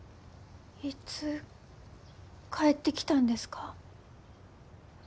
いつ帰ってきたんですか？